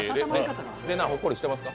れなぁほっこりしてますか？